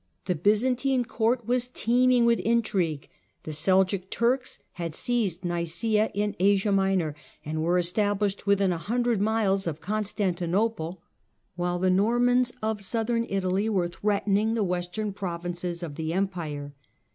The Byzantine court was teeming with intrigue, the Seljuk Turks had seized Nicsea in Asia Minor, and were established within a hundred miles of Constanti nople, while the Normans of Southern Italy were threatening the western provinces of the Empire.